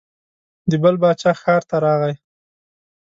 د بل باچا ښار ته راغی.